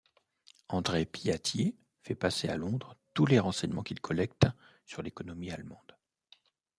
André Piatier fait passer à Londres tous les renseignements qu'il collecte sur l'économie allemande.